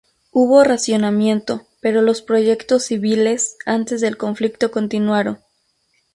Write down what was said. Hubo racionamiento, pero los proyectos civiles antes del conflicto continuaron.